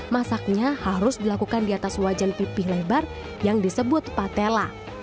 masaknya harus dilakukan di atas wajan pipih lebar yang disebut patella